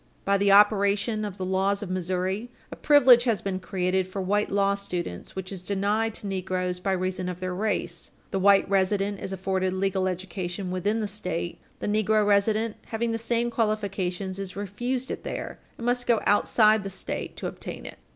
By the operation of the laws of Missouri, a privilege has been created for white law students which is denied to negroes by reason of their race. The white resident is afforded legal education within the State; the negro resident having the same qualifications is refused it there, and must go outside the State to obtain it.